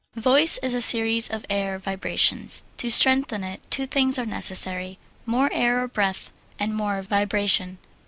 Voice is a series of air vibrations. To strengthen it two things are necessary: more air or breath, and more vibration.